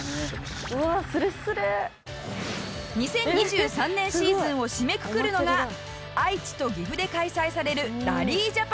２０２３年シーズンを締めくくるのが愛知と岐阜で開催されるラリージャパンです。